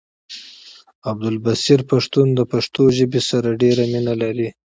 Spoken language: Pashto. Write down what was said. عبدالبصير پښتون د پښتو ژبې سره ډيره مينه لري